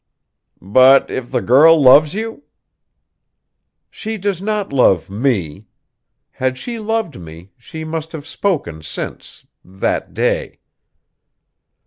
"But if the girl loves you?" "She does not love me. Had she loved me, she must have spoken since that day."